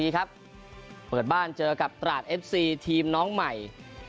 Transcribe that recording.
ครับปืนบ้านเจอกับตราดเอ็กซีทีมน้องใหม่